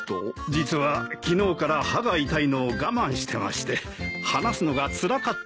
実は昨日から歯が痛いのを我慢してまして話すのがつらかったんです。